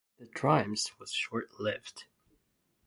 But the triumph was short-lived.